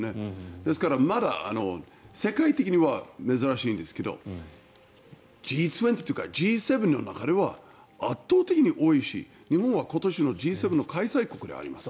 ですからまだ世界的には珍しいんですけどＧ２０というかＧ７の中では圧倒的に多いし日本は今年のＧ７の開催国であります。